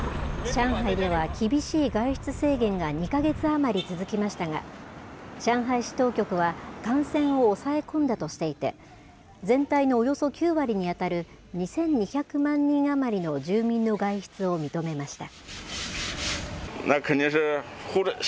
上海では厳しい外出制限が２か月余り続きましたが、上海市当局は、感染を抑え込んだとしていて、全体のおよそ９割に当たる２２００万人余りの住民の外出を認めました。